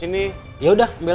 ibu enggak mau impor